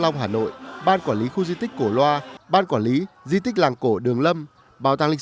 long hà nội ban quản lý khu di tích cổ loa ban quản lý di tích làng cổ đường lâm bảo tàng lịch